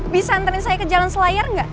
bisa anterin saya ke jalan selayar gak